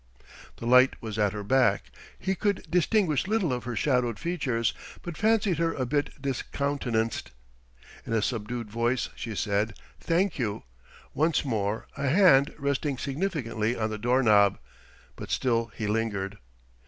The light was at her back; he could distinguish little of her shadowed features, but fancied her a bit discountenanced. In a subdued voice she said, "Thank you," once more, a hand resting significantly on the door knob. But still he lingered.